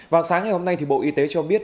vào sáng ngày hôm nay bộ y tế cho biết